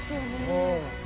うん。